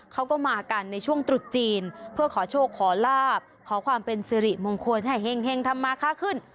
เขาก็มากันในช่วงตรุษจีนเพื่อขอโชคขอลาบขอความเป็นสิริมงคลให้เห็งธรรมาค่าขึ้น